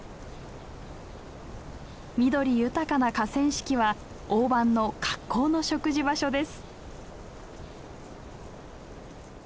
緑豊かな河川敷はオオバンの格好の食事場所です。